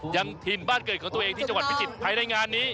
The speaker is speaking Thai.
ถิ่นบ้านเกิดของตัวเองที่จังหวัดพิจิตรภายในงานนี้